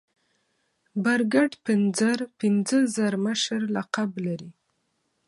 برګډ پنځر پنځه زر مشر لقب لري.